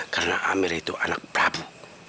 karena amirah itu anak prabu